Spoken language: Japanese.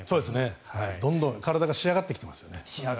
どんどん体が仕上がってきていますよね。